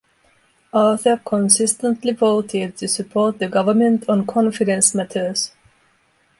Arthur consistently voted to support the government on confidence matters.